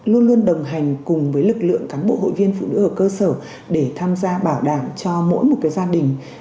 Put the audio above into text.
luôn luôn đồng hành cùng với lực lượng cán bộ hội viên phụ nữ ở cơ sở để tham gia bảo đảm cho mỗi một gia đình